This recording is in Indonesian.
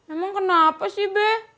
emang kenapa sih be